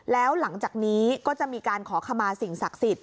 แล้วหลังจากนี้ก็จะมีการขอขมาสิ่งศักดิ์สิทธิ